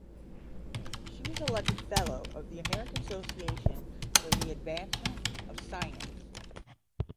She was elected Fellow of the American Association for the Advancement of Science.